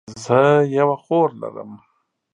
زه یوه خور لرم